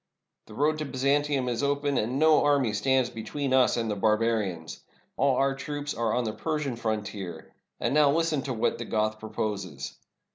The road to Byzantium is open, and no army stands between us and the barbarians. All our troops are on the Persian frontier. And now Hsten to what the Goth proposes.